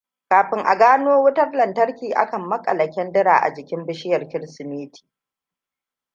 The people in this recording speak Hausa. Kafin a gano wutar kantarki, akan maƙala kyandira jikin bishiyar Kirsimeti.